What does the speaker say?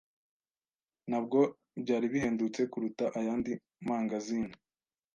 Ntabwo byari bihendutse kuruta ayandi mangazini.